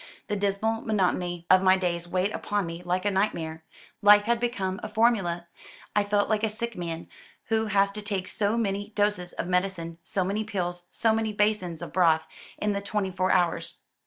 The dismal monotony of my days weighed upon me like a nightmare. Life had become a formula. I felt like a sick man who has to take so many doses of medicine, so many pills, so many basins of broth, in the twenty four hours.